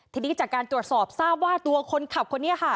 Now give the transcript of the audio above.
ทีนี้จากการตรวจสอบทราบว่าตัวคนขับคนนี้ค่ะ